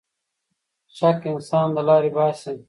شک انسان له لارې باسـي.